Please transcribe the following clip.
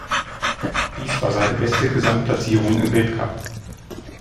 Dies war seine beste Gesamtplatzierung im Weltcup.